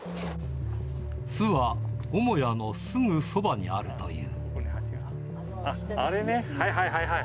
巣は母屋のすぐそばにあるとああ、あれね。